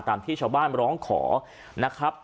ตามที่เฉาบ้านร้องขอนะครับ